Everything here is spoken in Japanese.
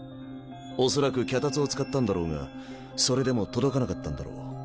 おそらく脚立を使ったんだろうがそれでも届かなかったんだろう。